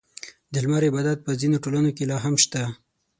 • د لمر عبادت په ځینو ټولنو کې لا هم شته.